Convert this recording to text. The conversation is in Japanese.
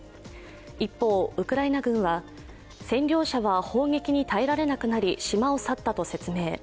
一方、ウクライナ軍は占領者は砲撃に耐えられなくなり島を去ったと説明。